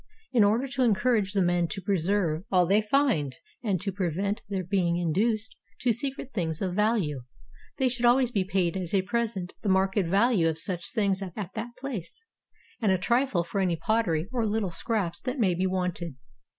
In order to encourage the men to preserve all they find 'and to prevent their being induced to secrete things of value, they should always be paid as a present the market value of such things at that place, and a trifle for any pottery or little scraps that may be wanted.